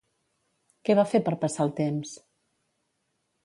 Què va fer per passar el temps?